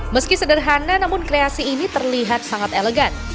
meski sederhana namun kreasi ini terlihat sangat elegan